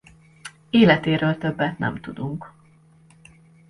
Életéről többet nem tudunk.